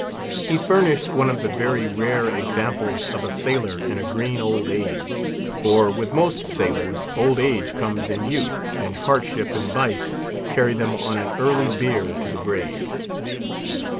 He furnished one of the very rare examples of a sailor in a green old age; for, with most sailors, old age comes in youth, and Hardship and Vice carry them on an early bier to the grave.